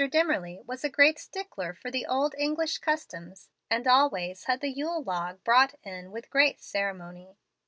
Dimmerly was a great stickler for the old English customs, and always had the yule log brought in with great ceremony.